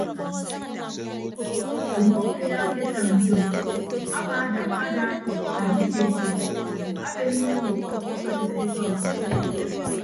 Umọfia aketañ ntom amaadakka ada aditietie abenne iwuud adod ke eka ubọk.